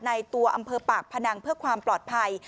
ตัวอำเภอปากพนังเพื่อความปลอดภัย